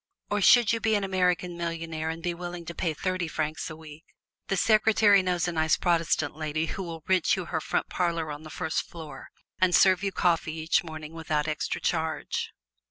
Or, should you be an American Millionaire and be willing to pay thirty francs a week, the secretary knows a nice Protestant lady who will rent you her front parlor on the first floor and serve you coffee each morning without extra charge.